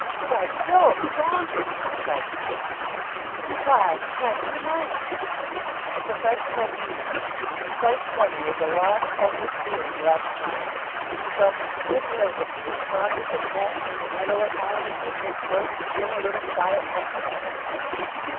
"By Jove, Saunders!" cried Mike. "Why, Master Mike!" The professional beamed, and quite suddenly, the lost, hopeless feeling left Mike. He felt as cheerful as if he and Saunders had met in the meadow at home, and were just going to begin a little quiet net practice.